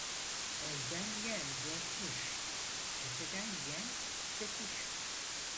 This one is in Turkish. Elden yiyen börkmüş, keseden yiyen çökmüş.